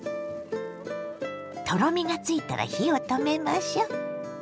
とろみがついたら火を止めましょ。